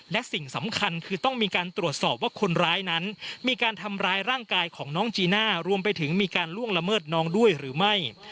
และสิ่งสำคัญคือต้องมีการตรวจสอบว่าคนร้ายนั้นมีการทำร้ายร่างกายของน้องจีน่ารวมไปถึงมีการล่วงละเมิดน้องด้วยหรือไม่